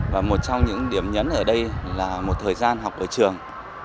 và một trong những điểm nhấn ở đây là một thời gian học ở trường